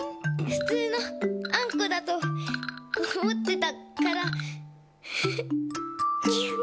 普通のあんこだと思ってたからフフ。